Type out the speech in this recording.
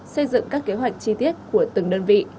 xây dựng các kế hoạch chi tiết của từng đơn vị